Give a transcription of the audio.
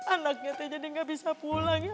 anaknya jadi tidak bisa pulang